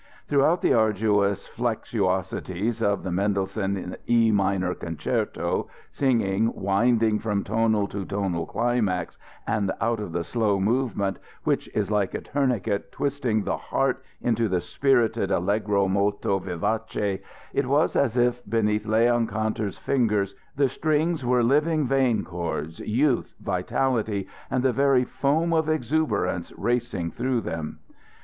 Throughout the arduous flexuosities of the Mendelssohn E minor concerto, singing, winding from tonal to tonal climax, and out of the slow movement, which is like a tourniquet twisting the heart into the spirited allegro molto vivace, it was as if beneath Leon Kantor's fingers the strings were living vein cords, youth, vitality, and the very foam of exuberance racing through them.